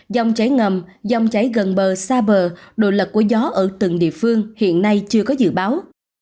dòng cháy ngầm dòng chảy gần bờ xa bờ đồ lật của gió ở từng địa phương hiện nay chưa có dự báo